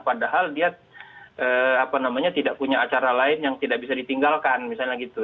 padahal dia tidak punya acara lain yang tidak bisa ditinggalkan misalnya gitu